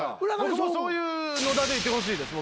僕もそういう野田でいてほしいです。